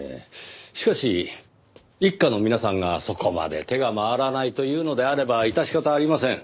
しかし一課の皆さんがそこまで手が回らないというのであれば致し方ありません。